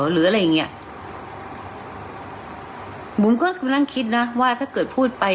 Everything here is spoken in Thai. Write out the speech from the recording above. หรืออะไรอย่างเงี้ยบุ๋มก็กำลังคิดนะว่าถ้าเกิดพูดไป